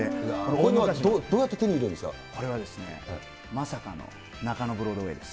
こういうのはどうやって手にこれはですね、まさかの中野ブロードウェイです。